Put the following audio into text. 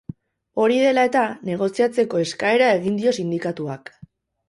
Hori dela eta, negoziatzeko eskaera egin dio sindikatuak.